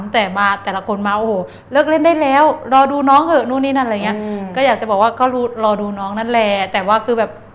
แต่ว่าคือแบบ